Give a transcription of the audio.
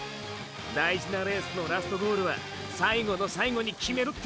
大事なレースのラストゴールは最後の最後にキメるって。